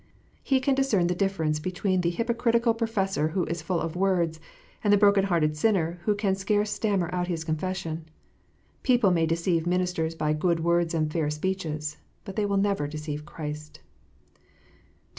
He can discern the difference between the hypocritical professor who is full of words, and the broken hearted sinner who can scarce stammer out his confession. People may deceive ministers by "good words and fair speeches," but they will never deceive Christ.